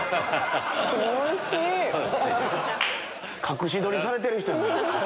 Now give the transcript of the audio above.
隠し撮りされてる人に見える。